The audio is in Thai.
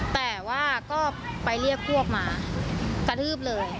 แต่ว่าก็ไปเรียกพวกมากระทืบเลย